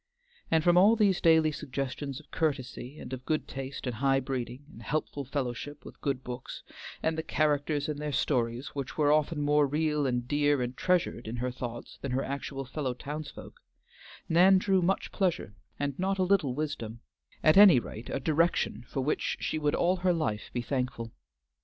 And from all these daily suggestions of courtesy and of good taste and high breeding, and helpful fellowship with good books, and the characters in their stories which were often more real and dear and treasured in her thoughts than her actual fellow townsfolk, Nan drew much pleasure and not a little wisdom; at any rate a direction for which she would all her life be thankful.